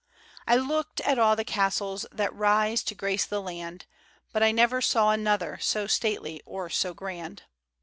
I looked at all the castles That rise to grace the land, But I never saw another So stately or so grand.